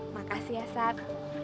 makasih ya sat